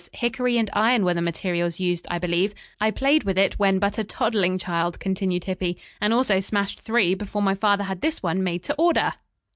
Hickory and iron were the materials used, I believe. I played with it when but a toddling che ild," continued Hippy, "and also smashed three before my father had this one made to order.